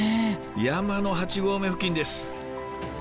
山の８合目付近です。